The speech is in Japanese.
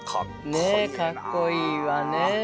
ねえかっこいいわね。